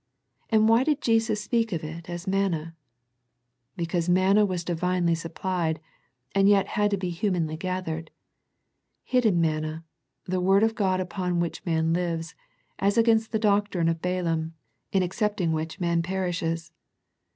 And why did Jesus speak of it as manna? Because manna, was Divinely supplied, and yet had to be hu manly gathered. Hidden manna, the Word of God upon which man lives, as against the doc trine of Balaam, in accepting which man per ishes.